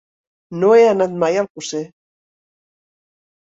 No he anat mai a Alcosser.